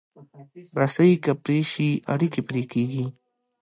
رسۍ که پرې شي، اړیکې پرې کېږي.